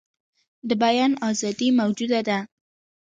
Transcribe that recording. د بیان آزادي موجوده ده.